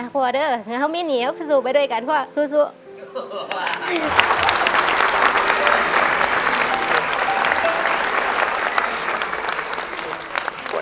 พ่องั้นเราก็ไม่ไปหนีนะเราก็สู้ด้วยกันนี่ป่ะ